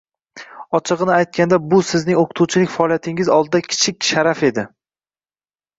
Ochig'ini aytganda, bu sizning o'qituvchilik faoliyatingiz oldida kichik sharaf edi